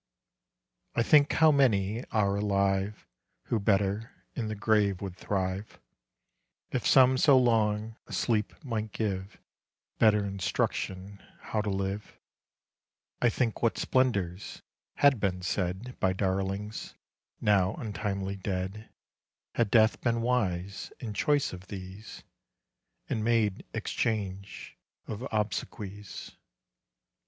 I think how many are alive Who better in the grave would thrive, If some so long a sleep might give Better instruction how to live; I think what splendours had been said By darlings now untimely dead Had death been wise in choice of these, And made exchange of obsequies.